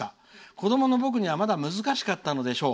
子どもの僕にはまだ難しかったのでしょう。